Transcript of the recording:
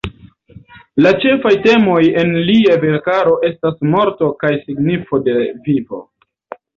La ĉefaj temoj en lia verkaro estas morto kaj signifo de vivo.